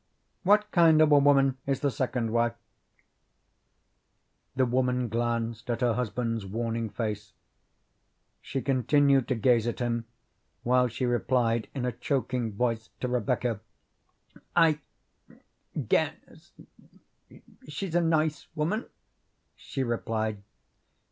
"What kind of a woman is the second wife?" The woman glanced at her husband's warning face. She continued to gaze at him while she replied in a choking voice to Rebecca: "I guess she's a nice woman," she replied.